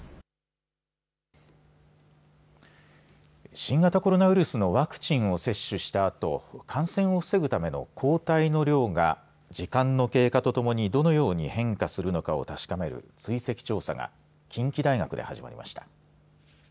新型コロナウイルスのワクチンを接種したあと感染を防ぐための抗体の量が時間の経過とともにどのように変化するのかを確かめる追跡調査が近畿大学で始まりました。